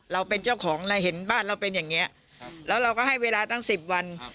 เราเป็นเจ้าของเราเห็นบ้านเราเป็นอย่างนี้แล้วเราก็ให้เวลาตั้ง๑๐วัน